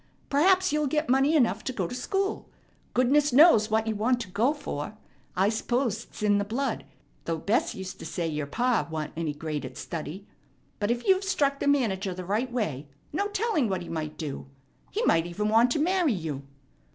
Perhaps you'll get money enough to go to school. Goodness knows what you want to go for. I s'pose it's in the blood, though Bess used to say your pa wa'n't any great at study. But, if you've struck the manager the right way, no telling what he might do. He might even want to marry you."